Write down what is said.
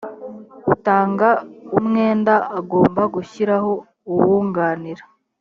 utanga umwenda agomba gushyiraho uwunganira